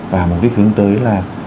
và mục đích hướng tới là